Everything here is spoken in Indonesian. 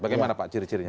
bagaimana pak ciri cirinya